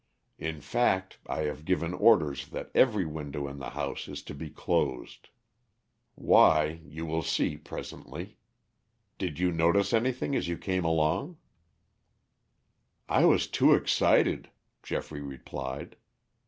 "In fact, I have given orders that every window in the house is to be closed. Why, you will see presently. Did you notice anything as you came along?" "I was too excited," Geoffrey replied.